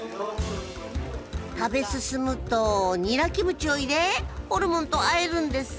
食べ進むと二ラキムチを入れホルモンとあえるんです。